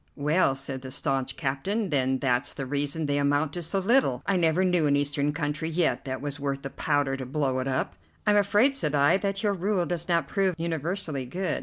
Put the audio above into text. "Well," said the staunch captain, "then that's the reason they amount to so little. I never knew an Eastern country yet that was worth the powder to blow it up." "I'm afraid," said I, "that your rule does not prove universally good.